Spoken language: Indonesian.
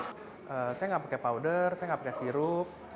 saya enggak pakai powder saya enggak pakai sirup